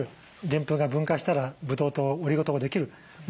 でんぷんが分解したらブドウ糖オリゴ糖ができる。